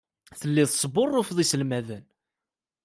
Telliḍ tesbuṛṛufeḍ iselmaden.